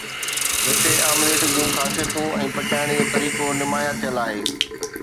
مٺي omelette جون خاصيتون ۽ پچائڻ جو طريقو نمايان ٿيل آهي